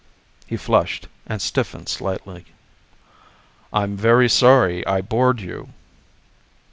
He flushed and stiffened slightly. "I'm very sorry I bored you."